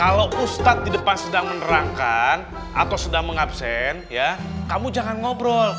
kalau ustadz di depan sedang menerangkan atau sedang mengabsen ya kamu jangan ngobrol